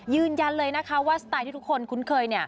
ยืนยันเลยนะคะว่าสไตล์ที่ทุกคนคุ้นเคย